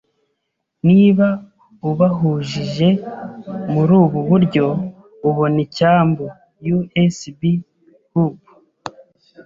Niba ubahujije murubu buryo, ubona icyambu USB hub.